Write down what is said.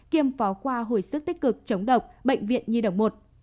kiêm phó khoa hồi sức tích cực chống độc bệnh viện nhi đồng một